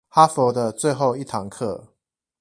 哈佛的最後一堂課